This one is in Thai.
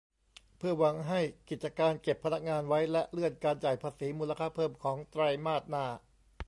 เพื่อหวังให้กิจการเก็บพนักงานไว้ และเลื่อนการจ่ายภาษีมูลค่าเพิ่มของไตรมาสหน้า